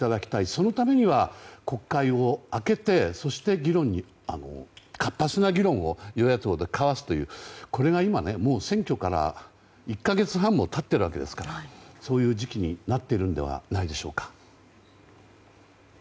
そのためには、国会を開けてそして、活発な議論を与野党で交わすというこれが今、もう選挙から１か月半も経っているんですからそういう時期になっているのではないでしょうか。